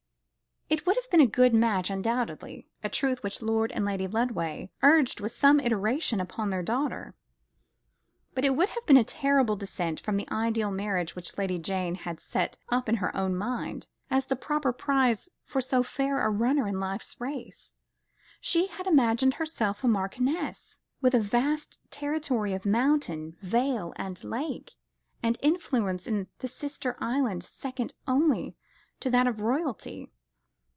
It would have been a good match, undoubtedly a truth which Lord and Lady Lodway urged with some iteration upon their daughter but it would have been a terrible descent from the ideal marriage which Lady Jane had set up in her own mind, as the proper prize for so fair a runner in life's race. She had imagined herself a marchioness, with a vast territory of mountain, vale, and lake, and an influence in the sister island second only to that of royalty.